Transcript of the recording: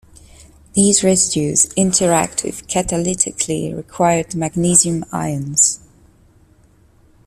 These residues interact with catalytically required magnesium ions.